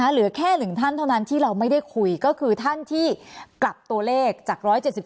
เหลือแค่๑ท่านเท่านั้นที่เราไม่ได้คุยก็คือท่านที่กลับตัวเลขจาก๑๗๒